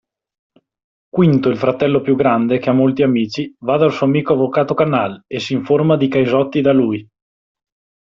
Quinto il fratello più grande che ha molti amici va dal suo amico avvocato Canal e si informa di Caisotti da lui.